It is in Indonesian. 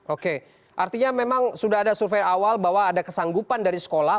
oke artinya memang sudah ada survei awal bahwa ada kesanggupan dari sekolah